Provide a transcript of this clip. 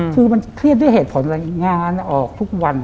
คือเครียดด้วยเหตุผลยังงานออกถึงทุกวัน